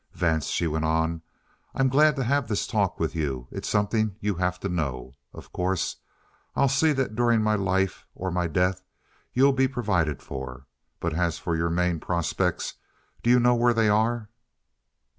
"Vance," she went on, "I'm glad to have this talk with you. It's something you have to know. Of course I'll see that during my life or my death you'll be provided for. But as for your main prospects, do you know where they are?"